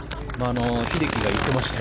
英樹が言っていましたよ。